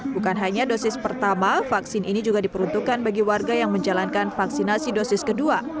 bukan hanya dosis pertama vaksin ini juga diperuntukkan bagi warga yang menjalankan vaksinasi dosis kedua